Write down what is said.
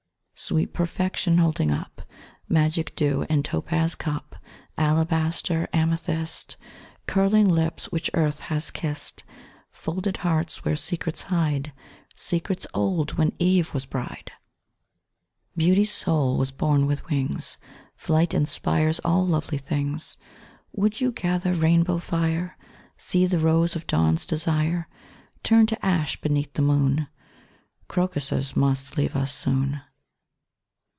Sweet perfection, holding up Magic dew in topaz cup, Alabaster, amethyst Curling lips which Earth has kissed, Folded hearts where secrets hide, Secrets old when Eve was bride! Beauty's soul was born with wings, Flight inspires all lovely things Would you gather rainbow fire? See the rose of dawn's desire Turn to ash beneath the moon? Crocuses must leave us soon.